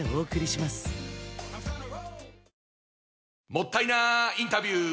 もったいなインタビュー！